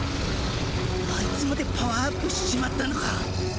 アイツまでパワーアップしちまったのか？